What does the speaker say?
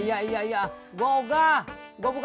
makanya datang aduh jiik